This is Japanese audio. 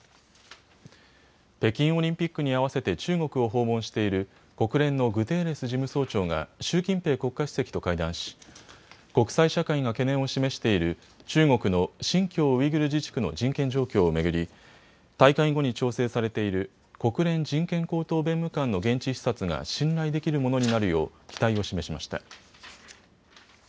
北京オリンピックに合わせて中国を訪問している国連のグテーレス事務総長が習近平国家主席と会談し国際社会が懸念を示している中国の新疆ウイグル自治区の人権状況を巡り、大会後に調整されている国連人権高等弁務官の現地視察が信頼できるものになるよう期待を示しました。